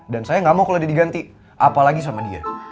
dan saya gak mau kalo dia diganti apalagi sama dia